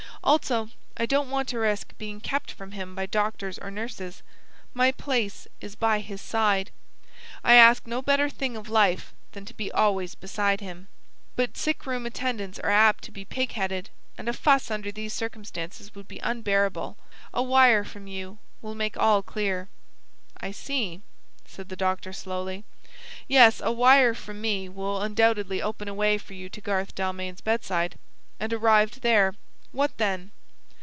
Also I don't want to risk being kept from him by doctors or nurses. My place is by his side. I ask no better thing of life than to be always beside him. But sick room attendants are apt to be pig headed; and a fuss under these circumstances would be unbearable. A wire from you will make all clear." "I see," said the doctor slowly. "Yes, a wire from me will undoubtedly open a way for you to Garth Dalmain's bedside. And, arrived there, what then?"